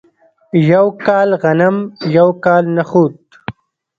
یو کال غنم یو کال نخود.